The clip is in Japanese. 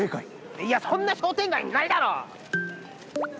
いやそんな商店街ないだろ！